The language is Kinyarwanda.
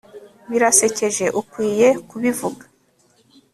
Birasekeje ukwiye kubivuga